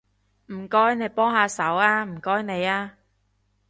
唔該你幫下手吖，唔該你吖